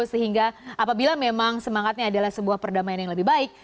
sehingga apabila memang semangatnya adalah sebuah perdamaian yang lebih baik